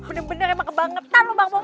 bener bener emang kebangetan lu bang mongol